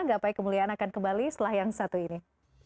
gapai kemuliaan akan kembali setelah yang satu ini